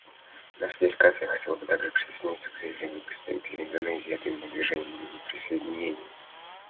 Наша делегация хотела бы также присоединиться к заявлению представителя Индонезии от имени Движения неприсоединения.